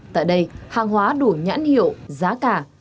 tại đây hàng hóa đủ nhãn hiệu giá cả